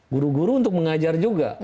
guru guru untuk mengajar juga